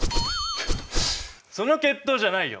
その決闘じゃないよ！